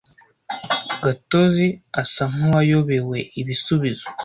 Gatozi asa nkuwayobewe ibisubizo.